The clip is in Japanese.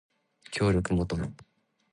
協力求む